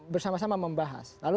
bersama sama membahas lalu